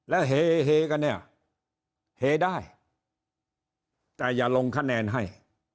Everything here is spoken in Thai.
แล้วเฮกันเนี่ยเฮได้แต่อย่าลงคะแนนให้